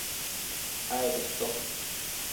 আয়, দোস্ত।